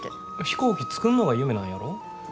飛行機作んのが夢なんやろ？